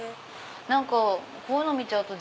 何かこういうの見ちゃうと。